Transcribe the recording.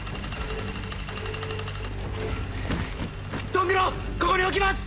ドングロここに置きます！